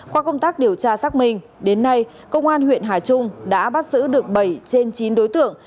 qua công tác điều tra xác minh đến nay công an huyện hà trung đã bắt giữ được bảy trên chín đối tượng